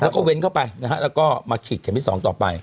แล้วก็เว้นเข้าไปนะฮะแล้วก็มาฉีดเข็มที่๒ต่อไป